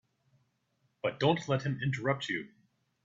But don't let him interrupt you.